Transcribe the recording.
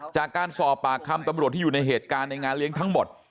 จากการสอบปากคำตำรวจที่อยู่ในเหตุการณ์ในงานเลี้ยงทั้งหมด